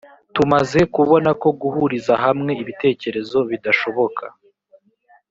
tumaze kubona ko guhuriza hamwe ibitekerezo bidashoboka